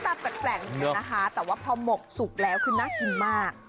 หน้าตาแปลกนะคะแต่ว่าพอหมกสุกแล้วคือน่ากินมาก